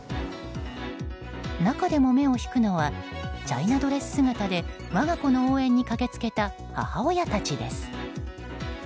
中でも目を引くのがチャイナドレス姿で我が子の応援に駆け付けた母親たちです。